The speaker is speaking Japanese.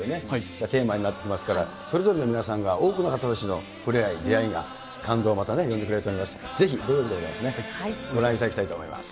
テーマになってきますから、それぞれの皆さんが多くの方たちの触れ合い、出会いが、感動をまた、呼んでくれると思います。